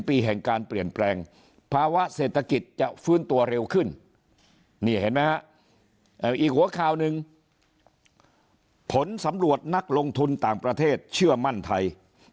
อีกหัวข่าวหนึ่งผลสำรวจนักลงทุนต่างประเทศเชื่อมั่นไทย